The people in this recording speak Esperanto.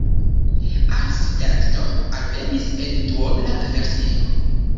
Als teksto alvenis en duobla versio.